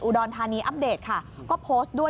อุดอนทานีอัปเดตค่ะก็โพสต์ด้วย